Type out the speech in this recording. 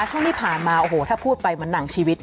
ช่วงที่ผ่านมาโอ้โหถ้าพูดไปมันหนังชีวิต